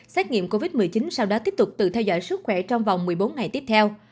xét nghiệm covid một mươi chín sau đó tiếp tục tự theo dõi sức khỏe trong vòng một mươi bốn ngày tiếp theo